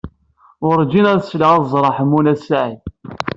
Werǧin ad alseɣ ad ẓreɣ Ḥemmu n At Sɛid.